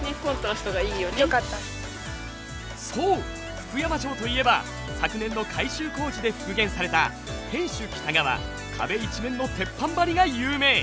福山城といえば昨年の改修工事で復元された天守北側壁一面の鉄板張りが有名！